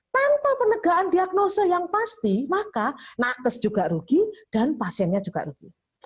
tanpa penegaan diagnosa yang pasti maka nakes juga rugi dan pasiennya juga rugi